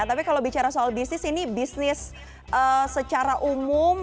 tapi kalau bicara soal bisnis ini bisnis secara umum